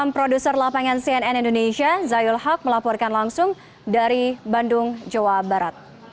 produser lapangan cnn indonesia zayul haq melaporkan langsung dari bandung jawa barat